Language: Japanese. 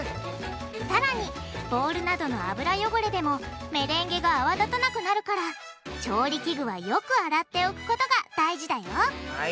さらにボウルなどの油よごれでもメレンゲが泡立たなくなるから調理器具はよく洗っておくことが大事だよはい。